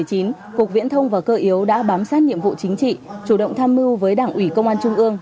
năm hai nghìn một mươi chín cục viễn thông và cơ yếu đã bám sát nhiệm vụ chính trị chủ động tham mưu với đảng ủy công an trung ương